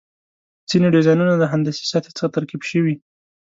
ځینې ډیزاینونه د هندسي سطحې څخه ترکیب شوي.